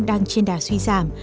đang trên đà suy giảm